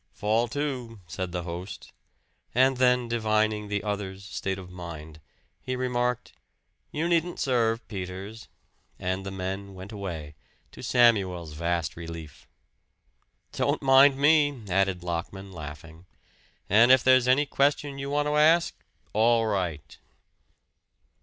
"Fall to," said the host; and then divining the other's state of mind, he remarked, "You needn't serve, Peters," and the men went away, to Samuel's vast relief. "Don't mind me," added Lockman laughing. "And if there's any question you want to ask, all right."